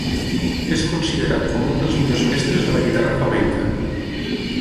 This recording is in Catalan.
És considerat com un dels millors mestres de la guitarra flamenca.